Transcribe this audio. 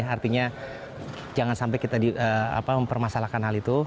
artinya jangan sampai kita mempermasalahkan hal itu